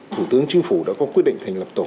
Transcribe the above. thủ tướng chính phủ đã có quyết định thành lập tổng tác